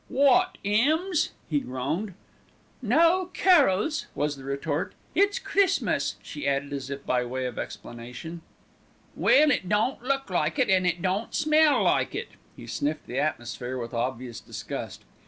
"Wot, 'ymns?" he groaned. "No, carols," was the retort. "It's Christmas," she added as if by way of explanation. "Well, it don't look like it, and it don't smell like it." He sniffed the atmosphere with obvious disgust.